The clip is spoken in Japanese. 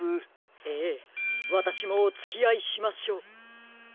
ええわたしもおつきあいしましょう。